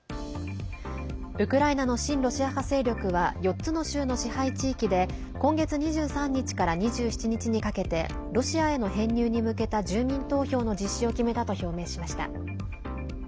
ウクライナの親ロシア派勢力は４つの州の支配地域で今月２３日から２７日にかけてロシアへの編入に向けた住民投票の実施を決めたと表明しました。